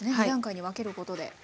２段階に分けることで。